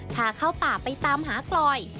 พาเข้าป่าไปตามหากลอย